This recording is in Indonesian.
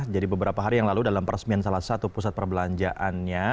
jadi beberapa hari yang lalu dalam peresmian salah satu pusat perbelanjaannya